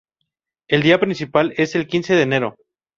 El día principal es el quince de enero.